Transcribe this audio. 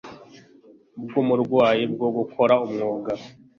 bw umurwayi bwo gukora umwuga